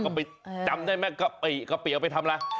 กะปิจำได้ไหมกะปิเอาไปทำอะไร